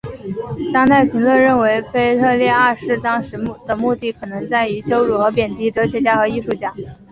当代评论认为腓特烈二世当时目的可能在于羞辱和贬低哲学家和艺术家。